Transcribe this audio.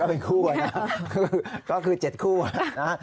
เป็นคู่อะนะก็คือ๗คู่นะ